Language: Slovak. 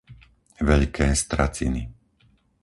Veľké Straciny